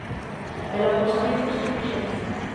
E logo os amigos que fixo aquí.